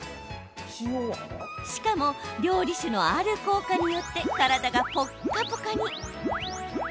しかも料理酒のある効果によって体がポッカポカに。